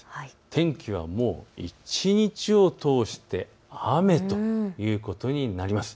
天気はもう一日を通して雨ということになります。